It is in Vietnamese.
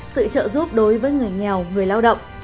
sự trợ giúp đối với người nghèo người lao động